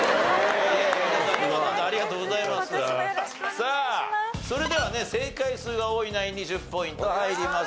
さあそれではね正解数が多いナインに１０ポイント入ります。